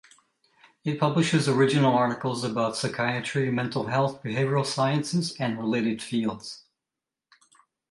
It publishes original articles about psychiatry, mental health, behavioral sciences, and related fields.